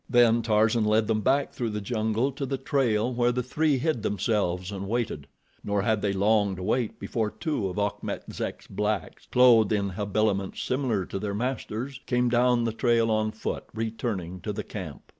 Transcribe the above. Then Tarzan led them back through the jungle to the trail, where the three hid themselves and waited. Nor had they long to wait before two of Achmet Zek's blacks, clothed in habiliments similar to their master's, came down the trail on foot, returning to the camp.